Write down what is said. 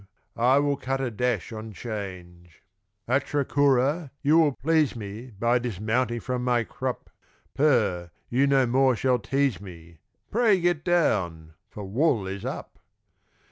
I will cut a dash on 'Change. Atra Cura, you will please me By dismounting from my crup Per you no more shall tease me, Pray get down for wool is up!